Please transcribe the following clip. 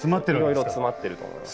いろいろ詰まっていると思います。